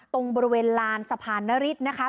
ตรงบริเวณลานสะพานนฤษนะครับ